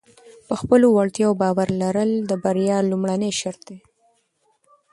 په خپلو وړتیاو باور لرل د بریا لومړنی شرط دی.